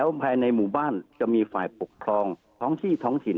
ภายในหมู่บ้านจะมีฝ่ายปกครองท้องที่ท้องถิ่น